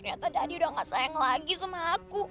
ternyata daddy udah nggak sayang lagi sama aku